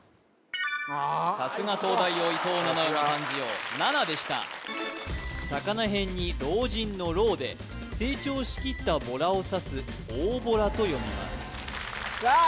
さすが東大王伊藤七海漢字王７でした魚へんに老人の老で成長しきったボラをさすおおぼらと読みますさあ！